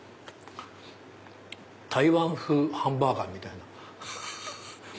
台湾風ハンバーガーみたいな。